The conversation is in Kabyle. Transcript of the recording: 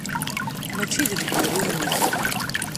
Mačči d lbiru-inek.